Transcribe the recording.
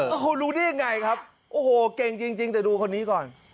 โอ้โหรู้ได้ยังไงครับโอ้โหเก่งจริงแต่ดูคนนี้ก่อน